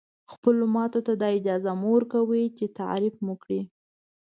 خپلو ماتو ته دا اجازه مه ورکوئ چې تعریف مو کړي.